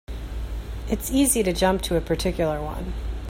It's easy to jump to a particular one.